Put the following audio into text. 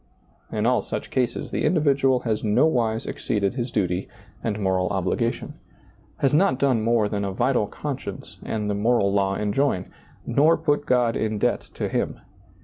In all such cases the individual has nowise exceeded his ^lailizccbvGoOgle 64 SEEING DARKLY duty and moral obligation, has not done more than a vital conscience and the moral law enjoin, nor put God in debt to him.